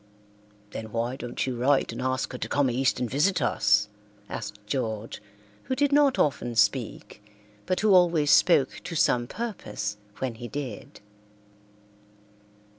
"Then why don't you write and ask her to come east and visit us?" asked George, who did not often speak, but who always spoke to some purpose when he did.